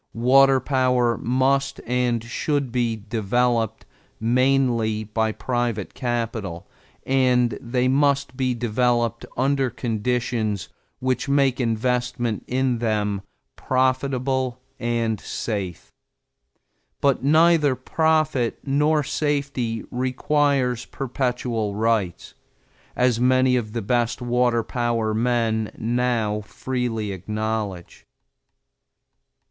Water powers must and should be developed mainly by private capital and they must be developed under conditions which make investment in them profitable and safe. But neither profit nor safety requires perpetual rights, as many of the best water power men now freely acknowledge.